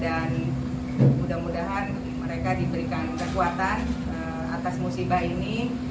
dan mudah mudahan mereka diberikan kekuatan atas musibah ini